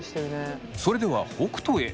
それでは北斗へ。